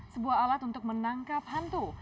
sebuah alat untuk menangkap hantu